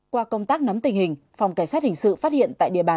qua công tác nắm tình hình phòng cảnh sát hình sự phát hiện tại địa bàn